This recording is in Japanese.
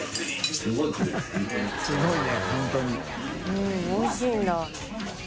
うんおいしいんだ。